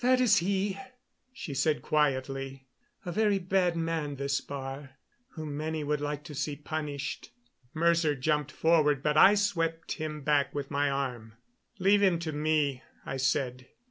"That is he," she said quietly. "A very bad man this Baar whom many would like to see punished." Mercer jumped forward, but I swept him back with my arm. "Leave him to me," I said.